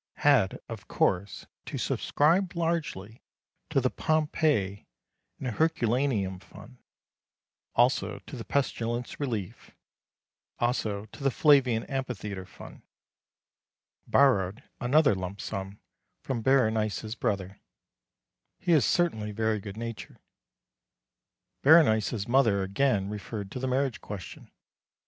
Had, of course, to subscribe largely to the Pompeii and Herculaneum fund, also to the pestilence relief, also to the Flavian Amphitheatre fund. Borrowed another lump sum from Berenice's brother. He is certainly very good natured. Berenice's mother again referred to the marriage question.